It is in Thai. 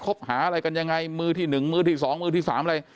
บหาอะไรกันยังไงมือที่หนึ่งมือที่สองมือที่สามอะไร